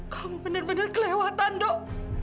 kau benar benar kelewatan dok